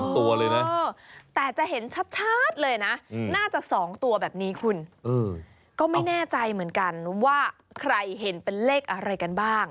ตัวเลยนะแต่จะเห็นชัดเลยนะน่าจะ๒ตัวแบบนี้คุณก็ไม่แน่ใจเหมือนกันว่าใครเห็นเป็นเลขอะไรกันบ้าง